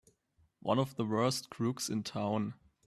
One of the worst crooks in town!